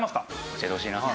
教えてほしいなあ。